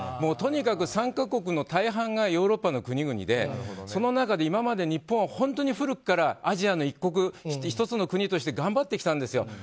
とにかく参加国の大半がヨーロッパの国々でその中で今まで日本は本当に古くからアジアの一国１つの国として頑張ってきたんですよ。